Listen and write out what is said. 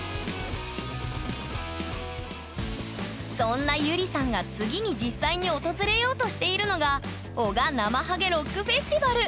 そんなゆりさんが次に実際に訪れようとしているのが男鹿ナマハゲロックフェスティバル。